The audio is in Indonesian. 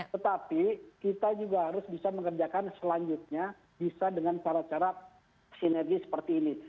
tetapi kita juga harus bisa mengerjakan selanjutnya bisa dengan cara cara sinergi seperti ini